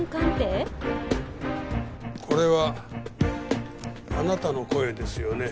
これはあなたの声ですよね？